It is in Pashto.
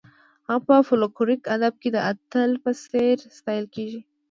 هغه په فولکلوریک ادب کې د اتل په څېر ستایل کیږي.